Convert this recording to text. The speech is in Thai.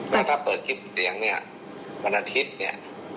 ถ้าจะเปิดคลิปแบบนี้อ่ะวันอาถิ่นนี้